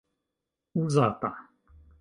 uzata